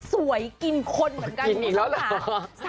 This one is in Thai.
สวยกินคนเหมือนกันคุณผู้ชมค่ะ